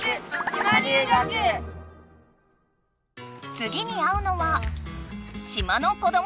つぎに会うのは島の子どもたち！